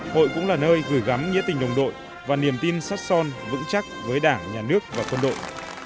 hội cũng là nơi gửi gắm nghĩa tình đồng đội và niềm tin sắt son vững chắc với đảng nhà nước và quân đội